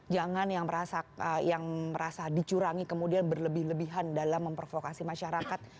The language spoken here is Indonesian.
jangan yang merasa dicurangi kemudian berlebih lebihan dalam memprovokasi masyarakat